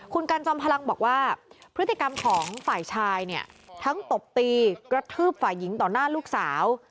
คุณกันจอมพลังบอกว่าพฤติกรรมของฝ่ายชายเนี่ยทั้งตบตีกระทืบฝ่ายหญิงต่อหน้าลูกสาว